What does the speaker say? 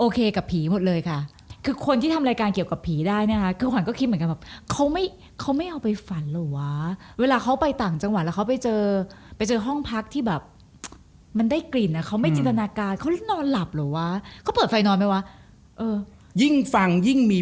กลัวจริง